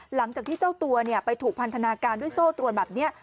หลังจากที่เจ้าตัวไปถูกพันธนาการด้วยโซ่ตรวนแบบนี้